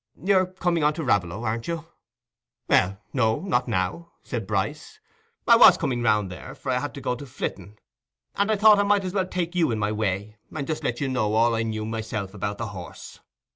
"You're coming on to Raveloe, aren't you?" "Well, no, not now," said Bryce. "I was coming round there, for I had to go to Flitton, and I thought I might as well take you in my way, and just let you know all I knew myself about the horse.